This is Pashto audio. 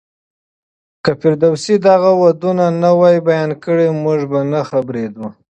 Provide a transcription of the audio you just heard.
که فردوسي دغه ودونه نه وای بيان کړي، موږ به نه خبرېدو.